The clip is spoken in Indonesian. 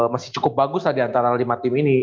masih cukup bagus lah diantara lima tim ini